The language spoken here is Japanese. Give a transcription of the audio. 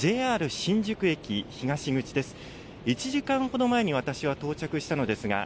ＪＲ新宿駅東口です。